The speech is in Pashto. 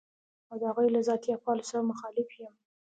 او د هغوی له ذاتي افعالو سره مخالف يم.